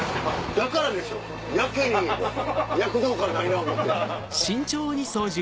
だからでしょやけに躍動感ないな思うて。